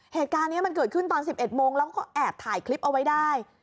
เหตุการณ์นี้มันเกิดขึ้นตอน๑๑โมงแล้วก็แอบถ่ายคลิปเอาไว้ได้